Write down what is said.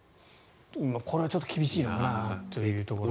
これはちょっと厳しいのかなというところが。